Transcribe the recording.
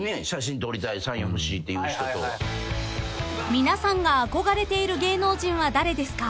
［皆さんが憧れている芸能人は誰ですか？］